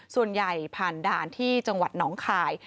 ส่วนใหญ่ผ่านด่านที่จังหวัดหนองคาย